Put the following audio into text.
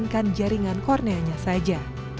kan jaringan korneanya saja